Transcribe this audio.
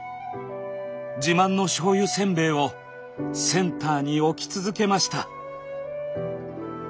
自慢の醤油せんべいをセンターに置き続けました。